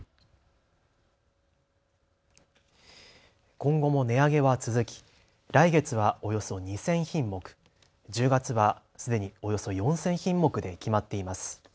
今後も値上げは続き来月はおよそ２０００品目、１０月はすでにおよそ４０００品目で決まっています。